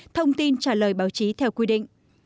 thông tin trả lời báo chí theo quy định